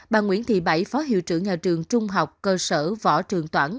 bà nguyễn thị bảy phó hiệu trưởng nhà trường trung học cơ sở võ trường toản